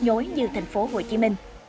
nhối như tp hcm